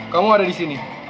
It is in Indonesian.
kamu ada di sini